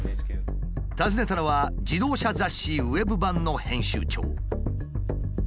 訪ねたのは自動車雑誌ウェブ版の編集長。